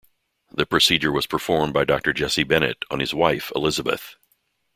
The procedure was performed by Doctor Jesse Bennett on his wife Elizabeth.